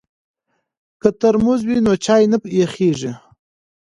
که ترموز وي نو چای نه یخیږي.